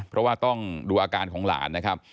เพราะว่าต้องดูอาการของหลานนะครับ